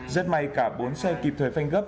rất may cả bốn xe kịp thời phanh gấp